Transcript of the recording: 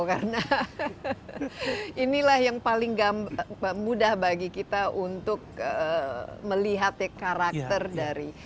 karena inilah yang paling mudah bagi kita untuk melihat karakter dari